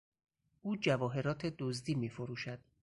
او جواهرات دزدی میفروشد.